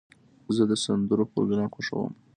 زه د سندرو پروګرام خوښوم.